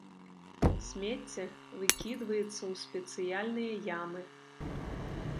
Смецце выкідваецца ў спецыяльныя ямы.